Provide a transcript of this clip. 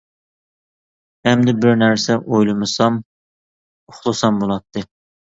ئەمدى بىر نەرسە ئويلىمىسام، ئۇخلىسام بولاتتى.